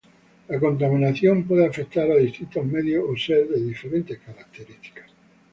La contaminación puede afectar a distintos medios o ser de diferentes características.